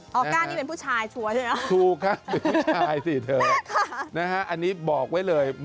ค่ะออกก้านที่เป็นผู้ชายชัวร์ใช่ไหมถูกครับเป็นผู้ชายสิเธออันนี้บอกไว้เลย